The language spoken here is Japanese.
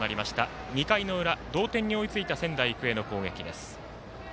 ２回の裏同点に追いついた仙台育英の攻撃です。